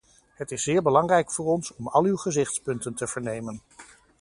Het is zeer belangrijk voor ons om al uw gezichtspunten te vernemen.